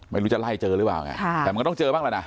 ไม่รู้จะไล่เจอหรือเปล่าไงแต่มันก็ต้องเจอบ้างแล้วนะ